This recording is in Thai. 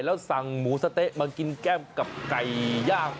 แล้วสั่งหมูสะเต๊ะมากินแก้มกับไก่ย่าง